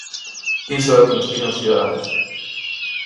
Iso é o que nos piden os cidadáns.